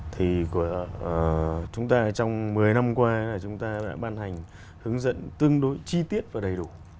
thì trong một mươi năm qua chúng ta đã ban hành hướng dẫn tương đối chi tiết và đầy đủ